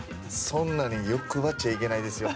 そんなに欲張っちゃいけないですよ。